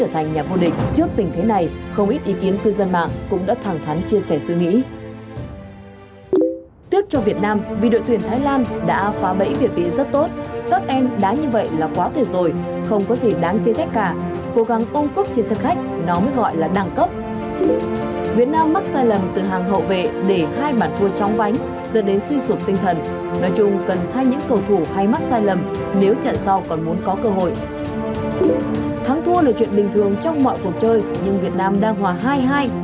thắng thua là chuyện bình thường trong mọi cuộc chơi nhưng việt nam đang hòa hai hai